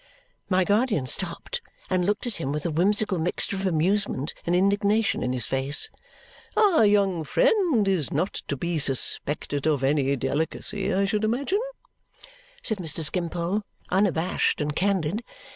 My guardian stopped and looked at him with a whimsical mixture of amusement and indignation in his face. "Our young friend is not to be suspected of any delicacy, I should imagine," said Mr. Skimpole, unabashed and candid.